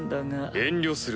遠慮する。